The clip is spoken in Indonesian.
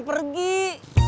ya udah kang